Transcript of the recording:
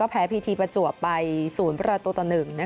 แพ้พีทีประจวบไป๐ประตูต่อ๑